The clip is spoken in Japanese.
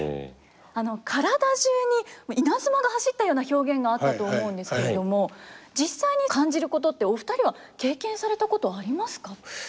体中に稲妻が走ったような表現があったと思うんですけれども実際に感じることってお二人は経験されたことありますか？